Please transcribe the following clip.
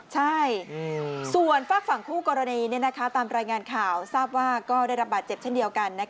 ใช่ส่วนฝากฝั่งคู่กรณีตามรายงานข่าวทราบว่าก็ได้รับบาดเจ็บเช่นเดียวกัน